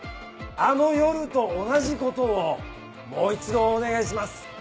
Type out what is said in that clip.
あの夜と同じことをもう一度お願いします。